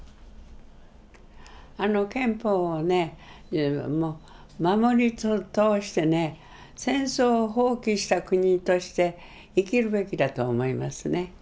あの憲法をね守り通してね戦争を放棄した国として生きるべきだと思いますね。